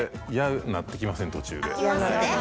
途中で。